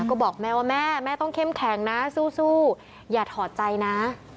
ก็บอกแม่ว่าแม่แม่ต้องเข้มแข็งนะสู้อย่าถอดใจนะ